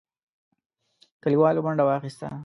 کليوالو منډه واخيسته.